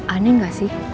aneh gak sih